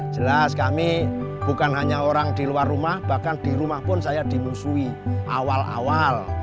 jelas kami bukan hanya orang di luar rumah bahkan di rumah pun saya dimusuhi awal awal